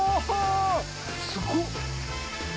すごっ！